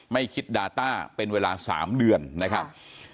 ไม่คิดดาต้าเป็นเวลา๓เดือนนะครับ